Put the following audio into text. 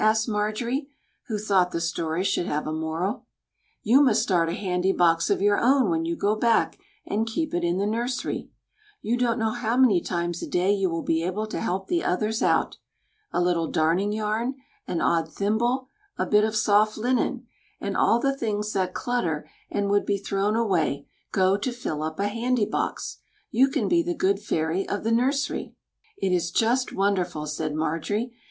asked Marjorie, who thought the story should have a moral. "You must start a handy box of your own when you go back, and keep it in the nursery. You don't know how many times a day you will be able to help the others out. A little darning yarn, an odd thimble, a bit of soft linen, and all the things that clutter and would be thrown away, go to fill up a handy box. You can be the good fairy of the nursery." "It is just wonderful!" said Marjorie.